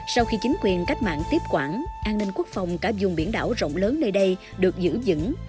sau khi chính quyền cách mạng tiếp quản an ninh quốc phòng cả dùng biển đảo rộng lớn nơi đây được giữ dững